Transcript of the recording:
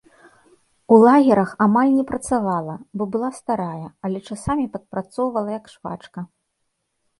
У лагерах амаль не працавала, бо была старая, але часамі падпрацоўвала як швачка.